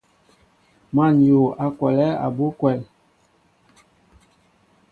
Măn yu a kolɛɛ abú kwɛl.